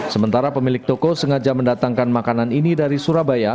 sementara pemilik toko sengaja mendatangkan makanan ini dari surabaya